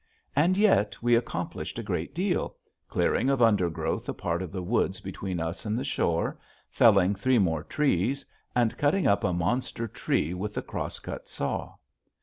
And yet we accomplished a great deal, clearing of undergrowth a part of the woods between us and the shore, felling three more trees, and cutting up a monster tree with the cross cut saw.